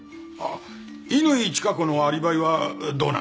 乾チカ子のアリバイはどうなんだ？